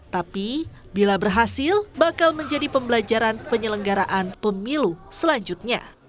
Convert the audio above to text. tapi bila berhasil bakal menjadi pembelajaran penyelenggaraan pemilu selanjutnya